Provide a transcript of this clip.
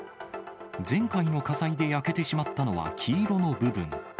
前回の火災で焼けてしまったのは黄色の部分。